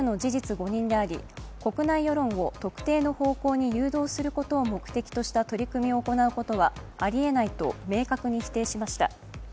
誤認であり国内世論を特定の方向に誘導することを目的とした取り組みを行うことはありえないと明確に否定しました。